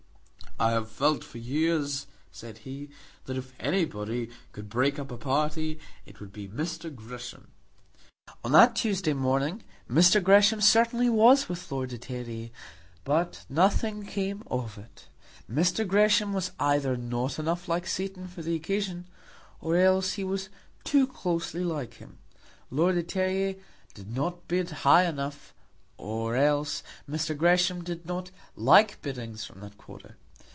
"I have felt for years," said he, "that if anybody could break up the party it would be Mr. Gresham." On that Tuesday morning Mr. Gresham certainly was with Lord de Terrier, but nothing came of it. Mr. Gresham was either not enough like Satan for the occasion, or else he was too closely like him. Lord de Terrier did not bid high enough, or else Mr. Gresham did not like biddings from that quarter.